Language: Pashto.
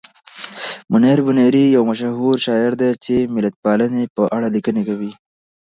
منیر بونیری یو مشهور شاعر دی چې د ملتپالنې په اړه لیکنې کوي.